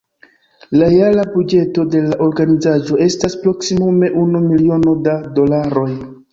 La jara buĝeto de la organizaĵo estas proksimume unu miliono da dolaroj.